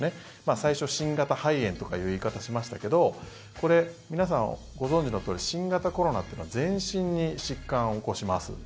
最初、新型肺炎とかいう言い方をしましたけどこれ、皆さんご存じのとおり新型コロナっていうのは全身に疾患を起こします。